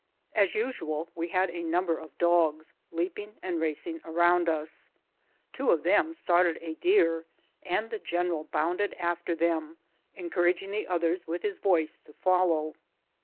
As usual, we had a number of dogs leaping and racing around us. Two of them started a deer, and the general bounded after them, encouraging the others with his voice to follow.